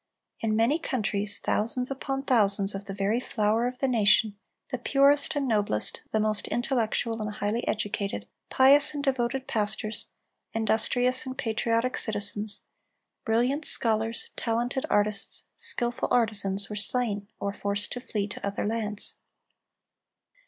In many countries, thousands upon thousands of the very flower of the nation, the purest and noblest, the most intellectual and highly educated, pious and devoted pastors, industrious and patriotic citizens, brilliant scholars, talented artists, skilful artisans, were slain, or forced to flee to other lands.